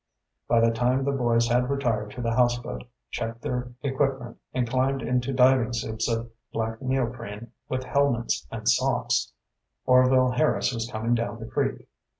By the time the boys had retired to the houseboat, checked their equipment, and climbed into diving suits of black neoprene with helmets and socks, Orvil Harris was coming down the creek.